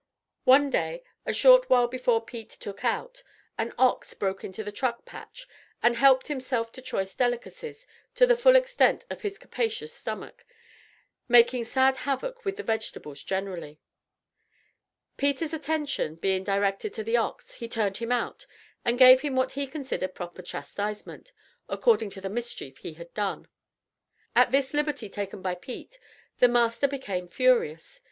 One day, a short while before Pete "took out," an ox broke into the truck patch, and helped himself to choice delicacies, to the full extent of his capacious stomach, making sad havoc with the vegetables generally. Peter's attention being directed to the ox, he turned him out, and gave him what he considered proper chastisement, according to the mischief he had done. At this liberty taken by Pete, the master became furious.